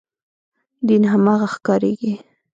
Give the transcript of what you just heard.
دین هماغه ښکارېږي.